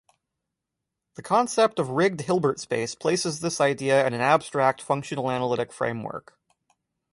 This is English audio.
The concept of rigged Hilbert space places this idea in an abstract functional-analytic framework.